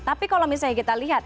tapi kalau misalnya kita lihat